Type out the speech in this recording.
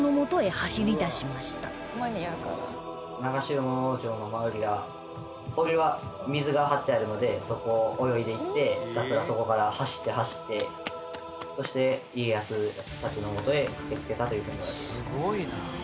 長篠城の周りは堀は水が張ってあるのでそこを泳いでいってひたすらそこから走って走ってそして家康たちの元へ駆けつけたというふうにいわれています。